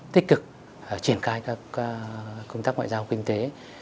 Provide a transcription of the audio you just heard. tích cực triển khai các công tác ngoại giao kinh tế